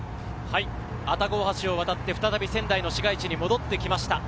愛宕大橋を渡って再び仙台の市街地に戻ってきました。